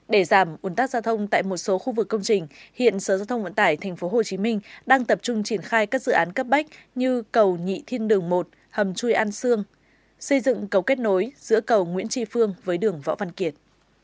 để giảm ủn tắc giao thông tại một số khu vực công trình hiện sở giao thông vận tải tp hcm đang tập trung triển khai các dự án cấp bách như cầu nhị thiên đường một hầm chui an sương xây dựng cầu kết nối giữa cầu nguyễn tri phương với đường võ văn kiệt